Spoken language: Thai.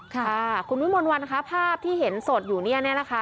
ค่ะคุณวิมนต์วันค่ะภาพที่เห็นสดอยู่เนี่ยนะคะ